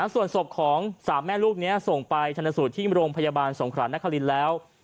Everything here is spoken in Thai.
ส่วนศพของ๓แม่ลูกนี้ส่งไปชรรสุทธิที่โรงพยาบาลสงขระนคริญแล้ว